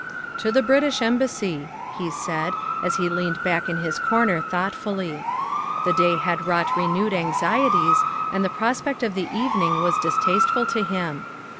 " To the British Embassy," he said as he leaned back in his corner thoughtfully. The day had brought re newed anxieties and the prospect of the evening was dis tasteful to him.